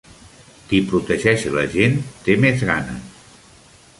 Qui protegeix la gent, té més gana.